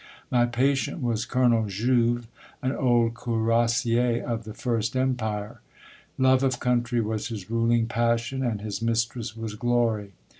My patient was Colonel Jouve, an old cuirassier of the , First Empire. Love of country was his ruling passion, and his mistress was Glory.